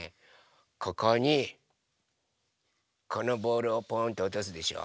ここにこのボールをポンとおとすでしょ？